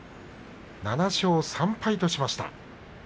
７勝３敗としました。